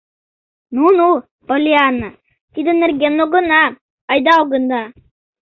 — Ну-ну, Поллианна, тидын нерген огына... айда огына.